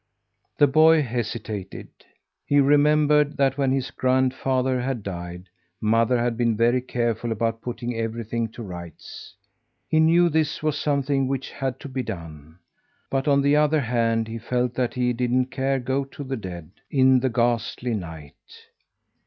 The boy hesitated. He remembered that when his grandfather had died, mother had been very careful about putting everything to rights. He knew this was something which had to be done. But, on the other hand, he felt that he didn't care go to the dead, in the ghastly night.